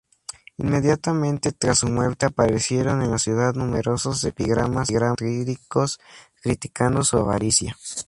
Inmediatamente tras su muerte aparecieron en la ciudad numerosos epigramas satíricos criticando su avaricia.